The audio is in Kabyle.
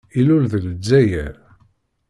Ilul deg Lezzayer.